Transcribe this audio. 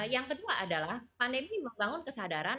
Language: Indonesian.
yang kedua adalah pandemi membangun kesadaran